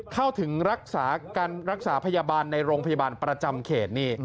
เข้าถึงรักษาการรักษาพยาบาลในโรงพยาบาลประจำเขตนี่